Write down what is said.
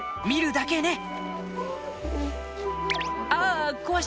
見るだけね！